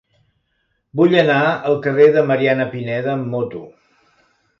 Vull anar al carrer de Mariana Pineda amb moto.